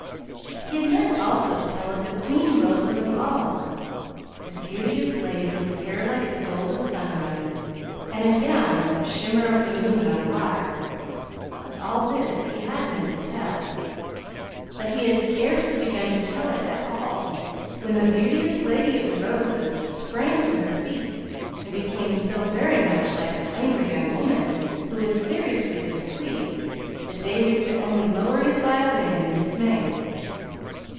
He had meant, also, to tell of the Queen Rose of them all the beauteous lady with hair like the gold of sunrise, and a gown like the shimmer of the moon on water of all this he had meant to tell; but he had scarcely begun to tell it at all when the Beauteous Lady of the Roses sprang to her feet and became so very much like an angry young woman who is seriously displeased that David could only lower his violin in dismay.